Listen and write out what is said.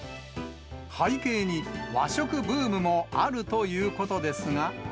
背景に和食ブームもあるということですが。